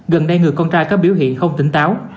gần đây người con trai có biểu hiện không tỉnh táo